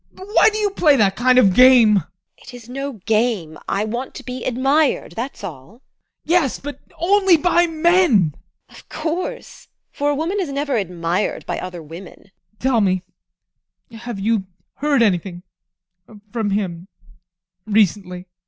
Why do you play that kind of game? TEKLA. It is no game. I want to be admired that's all! ADOLPH. Yes, but only by men! TEKLA. Of course! For a woman is never admired by other women. ADOLPH. Tell me, have you heard anything from him recently?